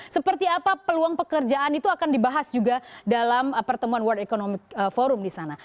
seperti apa peluang pekerjaan itu akan dibahas juga dalam pertemuan world economic forum di sana